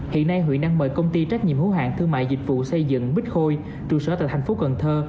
hiện nay huyện đang mời công ty trách nhiệm hữu hạng thương mại dịch vụ xây dựng bích khôi trụ sở tại thành phố cần thơ